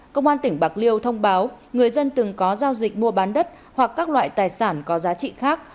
công an tỉnh bạc liêu thông báo người dân từng có giao dịch mua bán đất hoặc các loại tài sản có giá trị khác